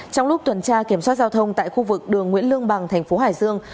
trong lúc tuần tra kiểm soát giao thông tại khu vực đường nguyễn lương bằng thành phố hải dương